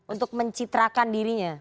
untuk mencitrakan dirinya